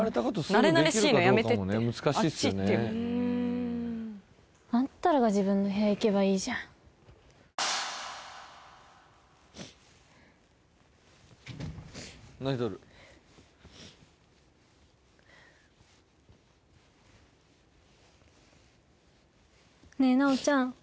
なれなれしいのやめてってあっち行ってよあんたらが自分の部屋行けばいいじゃんねえ奈央ちゃん